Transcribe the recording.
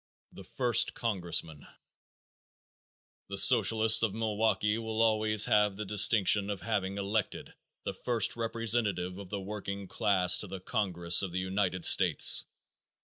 The First Congressman. The Socialists of Milwaukee will always have the distinction of having elected the first representative of the working class to the congress of the United States.